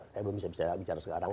saya belum bisa bicara sekarang